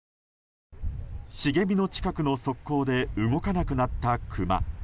茂みの近くの側溝で動かなくなったクマ。